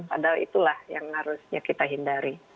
padahal itulah yang harusnya kita hindari